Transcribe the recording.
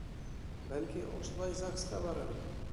Бәлки, ошолай ЗАГС-ҡа барырһың?